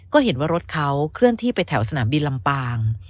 ก็เห็นว่ารถเขาเคลื่อนที่ไปแถวสนามบินลำปาง